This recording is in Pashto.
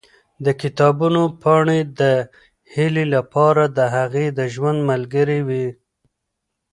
د کتابونو پاڼې د هیلې لپاره د هغې د ژوند ملګرې وې.